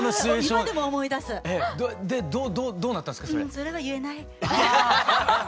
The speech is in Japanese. うんそれは言えない。